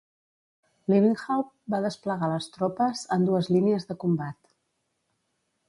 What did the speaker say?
Lewenhaupt va desplegar les tropes en dues línies de combat.